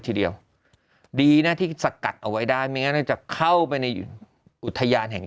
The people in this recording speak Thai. ทีเดียวดีนะที่สกัดเอาไว้ได้ไม่งั้นน่าจะเข้าไปในอุทยานแห่ง